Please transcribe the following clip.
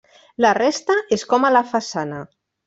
La resta és com a la façana.